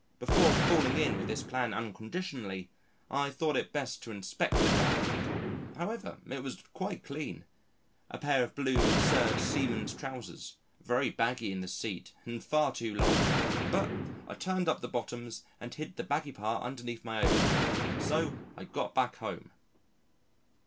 Before falling in with this plan unconditionally, I thought it best to inspect the garment. However, it was quite clean a pair of blue serge seaman's trousers, very baggy in the seat and far too long. But I turned up the bottoms and hid the baggy part underneath my overcoat. So, I got back home!